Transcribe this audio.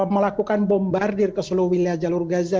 melakukan bombardir ke seluruh wilayah jalur gaza